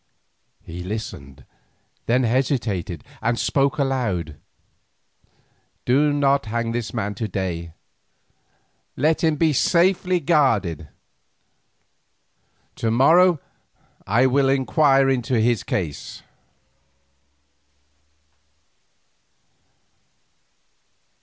He listened, then hesitated, and spoke aloud: "Do not hang this man to day. Let him be safely guarded. Tomorrow I will inquire into his case."